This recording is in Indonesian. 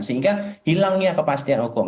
sehingga hilangnya kepastian hukum